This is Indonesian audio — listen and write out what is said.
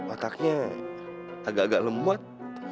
otaknya agak agak lemot